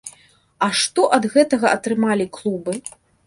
А што ад гэтага атрымалі клубы?